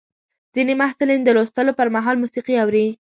ځینې محصلین د لوستلو پر مهال موسیقي اوري.